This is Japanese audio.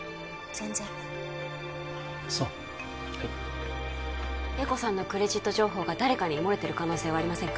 全然そうはい瑛子さんのクレジット情報が誰かに漏れてる可能性はありませんか？